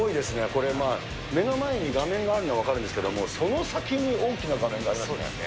これ、目の前に画面があるのは分かるんですけれども、その先に大きな画面がありますね。